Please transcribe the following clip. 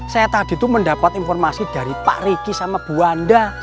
saya tadi itu mendapat informasi dari pak riki sama buanda